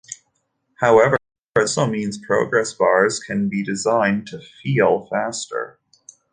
However, this also means progress bars can be designed to "feel" faster.